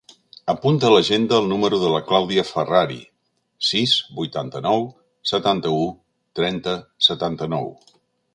Apunta a l'agenda el número de la Clàudia Ferrari: sis, vuitanta-nou, setanta-u, trenta, setanta-nou.